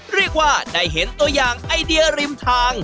เรียกว่าได้เห็นตัวอย่างไอเดียริมทาง